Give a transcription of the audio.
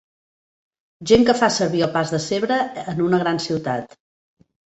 Gent que fa servir el pas de zebra en una gran ciutat